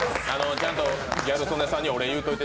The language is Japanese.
ちゃんとギャル曽根さんにお礼言うといて。